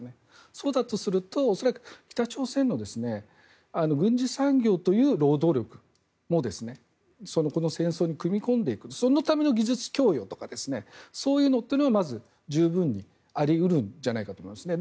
そうだとすると恐らく北朝鮮の軍事産業という労働力もこの戦争に組み込んでいくそのための技術供与とかそういうのはまず、十分にあり得るんじゃないかと思うんですね。